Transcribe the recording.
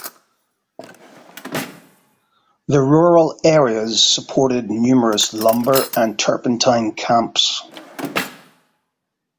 The rural areas supported numerous lumber and turpentine camps.